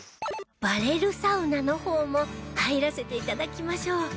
バレルサウナの方も入らせていただきましょう